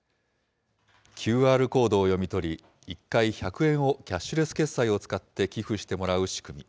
ＱＲコードを読み取り、１回１００円をキャッシュレス決済を使って寄付してもらう仕組み。